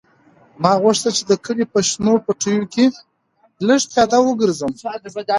ما غوښتل چې د کلي په شنو پټیو کې لږ پیاده وګرځم.